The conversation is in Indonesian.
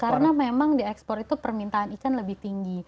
karena memang di ekspor itu permintaan ikan lebih tinggi